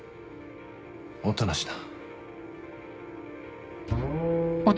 音無だ。